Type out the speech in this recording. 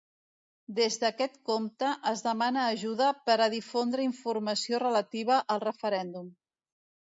Des d’aquest compte es demana ajuda per a difondre informació relativa al referèndum.